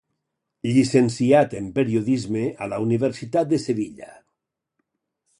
Llicenciat en periodisme a la Universitat de Sevilla.